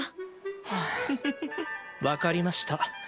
はぁ分かりました。